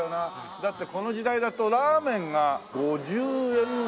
だってこの時代だとラーメンが５０円ぐらいか。